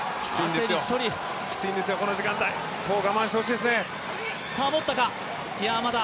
きついんですよ、この時間帯我慢してほしいですね。